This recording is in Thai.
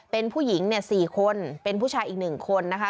เป็นผู้หญิงเนี่ยสี่คนเป็นผู้ชายอีกหนึ่งคนนะคะ